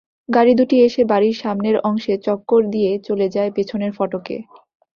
গাড়ি দুটি এসে বাড়ির সামনের অংশে চক্কর দিয়ে চলে যায় পেছনের ফটকে।